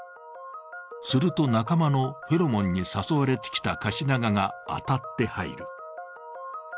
すると仲間のフェロモンに誘われてきたカシナガが当たって入る。